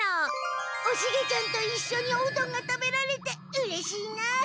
おシゲちゃんといっしょにおうどんが食べられてうれしいな。